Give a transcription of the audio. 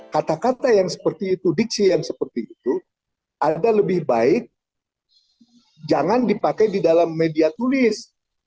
kata kata yang seperti itu diksi yang seperti itu ada lebih baik jangan dipakai di dalam media tulis